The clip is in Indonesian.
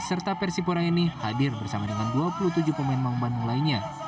serta persib pura ini hadir bersama dengan dua puluh tujuh pemain maung badung lainnya